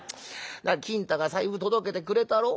金太が財布届けてくれたろう。